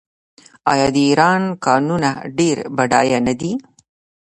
آیا د ایران کانونه ډیر بډایه نه دي؟